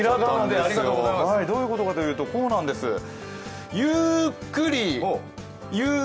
どういうことかというと、こうなんです。